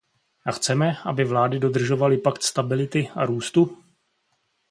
A chceme, aby vlády dodržovaly Pakt stability a růstu?